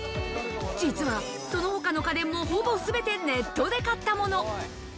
実はその他の家電もほぼすべてネットで買ったもの。